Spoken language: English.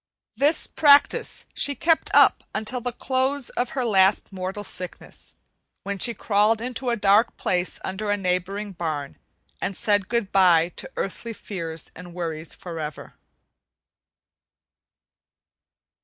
This practice she kept up until at the close of her last mortal sickness, when she crawled into a dark place under a neighboring barn and said good by to earthly fears and worries forever.